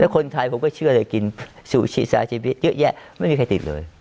คนไทยผมก็เชื่อเลยกินซูชิซาชิวิเยอะแยะไม่มีใครติดเลย